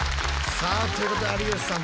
さあということで有吉さん